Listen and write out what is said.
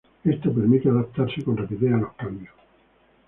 Esto permite adaptarse con rapidez a los cambios.